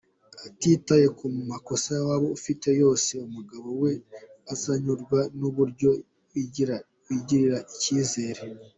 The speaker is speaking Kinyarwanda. Atitaye ku makosa waba ufite yose, umugabo wawe azanyurwa n’uburyo wigirira icyizere.